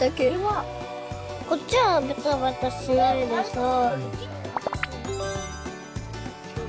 こっちはベタベタしないでさぁ。